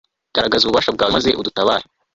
garagaza ububasha bwawe, maze udutabare